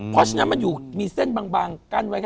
เพราะฉะนั้นมันอยู่มีเส้นบางกั้นไว้แค่